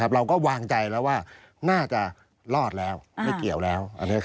เราก็วางใจแล้วว่าน่าจะรอดแล้วไม่เกี่ยวแล้ว